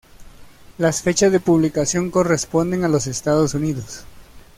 Las fechas de publicación corresponden a los Estados Unidos.